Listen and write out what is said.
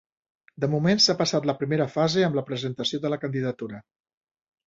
De moment s'ha passat la primera fase amb la presentació de la candidatura